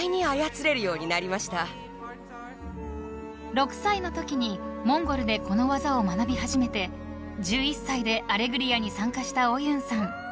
［６歳のときにモンゴルでこの技を学び始めて１１歳で『アレグリア』に参加したオユンさん］